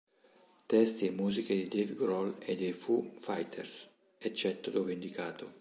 Testi e musiche di Dave Grohl e dei Foo Fighters, eccetto dove indicato.